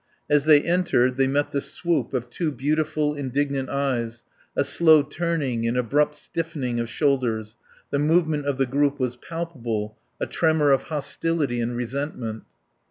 As they entered they met the swoop of two beautiful, indignant eyes, a slow turning and abrupt stiffening of shoulders; the movement of the group was palpable, a tremor of hostility and resentment.